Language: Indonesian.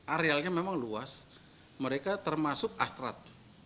arealnya memang luas mereka termasuk astrad